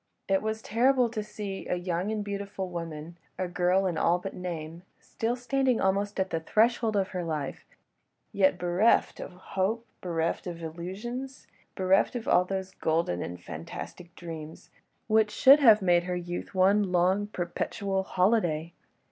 It was terrible to see a young and beautiful woman—a girl in all but name—still standing almost at the threshold of her life, yet bereft of hope, bereft of illusions, bereft of those golden and fantastic dreams, which should have made her youth one long, perpetual holiday.